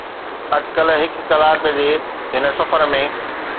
اٽڪل هڪ ڪلاڪ جي هن سفر ۾